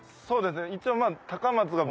そうですね一応。